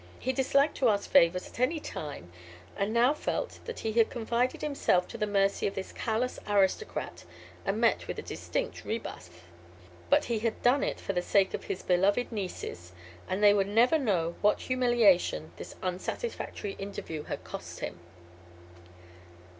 He disliked to ask favors at any time and now felt that he had confided himself to the mercy of this callous aristocrat and met with a distinct rebuff. But he had done it for the sake of his beloved nieces and they would never know what humiliation this unsatisfactory interview had cost him.